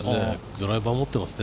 ドライバー持ってますね。